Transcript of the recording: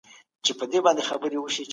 هر عدد خپل ځای لري.